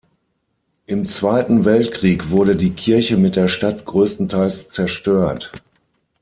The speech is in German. Im Zweiten Weltkrieg wurde die Kirche mit der Stadt größtenteils zerstört.